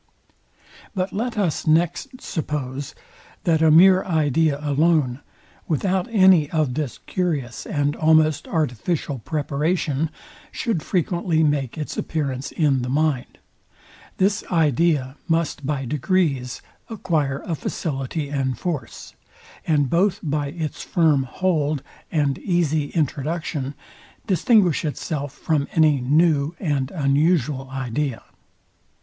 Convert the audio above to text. But let us next suppose, that a mere idea alone, without any of this curious and almost artificial preparation, should frequently make its appearance in the mind, this idea must by degrees acquire a facility and force; and both by its firm hold and easy introduction distinguish itself from any new and unusual idea.